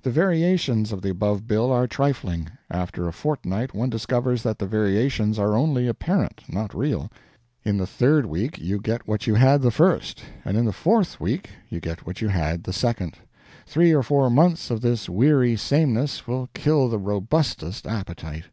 The variations of the above bill are trifling. After a fortnight one discovers that the variations are only apparent, not real; in the third week you get what you had the first, and in the fourth the week you get what you had the second. Three or four months of this weary sameness will kill the robustest appetite.